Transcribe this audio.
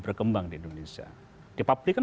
berkembang di indonesia di publik kan